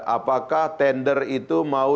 apakah tender itu mau